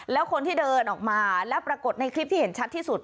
แล้วคนที่เดินออกมาแล้วปรากฏในคลิปที่เห็นชัดที่สุด